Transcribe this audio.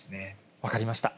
分かりました。